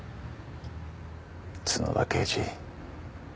角田刑事。